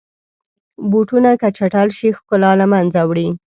بوټونه که چټل شي، ښکلا له منځه وړي.